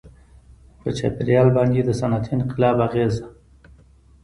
• په چاپېریال باندې د صنعتي انقلاب اغېزه.